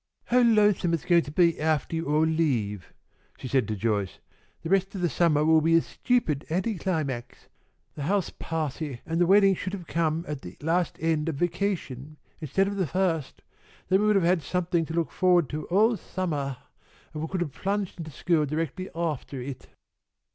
"How lonesome it's going to be aftah you all leave," she said to Joyce. "The rest of the summah will be a stupid anticlimax. The house pahty and the wedding should have come at the last end of vacation instead of the first, then we would have had something to look forward to all summah, and could have plunged into school directly aftah it."